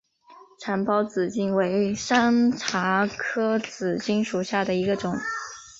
长苞紫茎为山茶科紫茎属下的一个种。